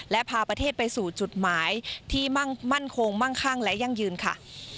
และพาประเทศไปสู่จุดหมายที่มั่นคงมั่งคั่งและยั่งยืนค่ะ